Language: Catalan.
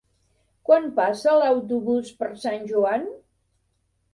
Quan passa l'autobús per Sant Joan?